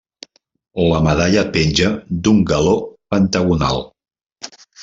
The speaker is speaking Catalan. La medalla penja d'un galó pentagonal.